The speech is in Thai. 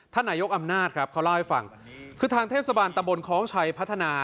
นายกอำนาจครับเขาเล่าให้ฟังคือทางเทศบาลตะบนคล้องชัยพัฒนา